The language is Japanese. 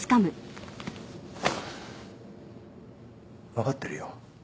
分かってるよ。